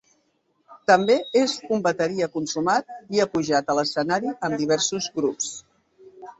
També és un bateria consumat i ha pujat a l'escenari amb diversos grups.